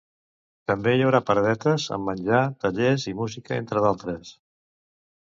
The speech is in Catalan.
També hi haurà paradetes amb menjar, tallers i música, entre d'altres.